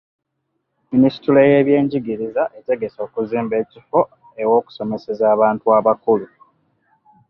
Minisitule y'ebyenjigiriza etegese okuzimba ekifo ew'okusomeseza abantu abakulu.